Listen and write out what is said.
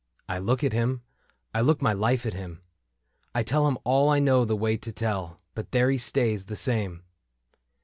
I look at him, I look my life at him, I tell him all I know the way to tell, But there he stays the same.